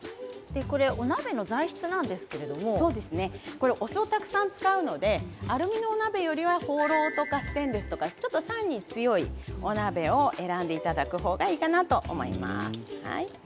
これ、お酢をたくさん使うのでアルミの鍋よりはホーローとかステンレスとか酸に強いお鍋を選んでいただく方がいいかなと思います。